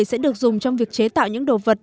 sẽ được dùng trong việc chế tạo những đồ vật